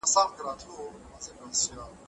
له مسکینانو سره همکاري وکړئ.